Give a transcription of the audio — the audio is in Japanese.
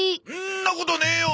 んなことねえよ！